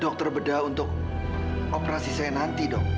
dokter bedah untuk operasi saya nanti dok